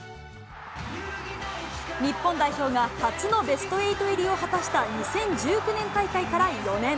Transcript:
日本代表が初のベスト８入りを果たした２０１９年大会から４年。